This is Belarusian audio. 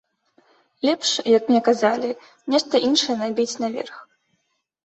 Лепш, як мне сказалі, нешта іншае набіць наверх.